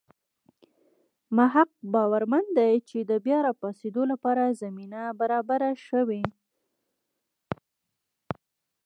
مح ق باورمن دی چې د بیا راپاڅېدو لپاره زمینه برابره شوې.